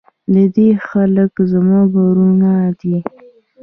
د دې خلک زموږ ورونه دي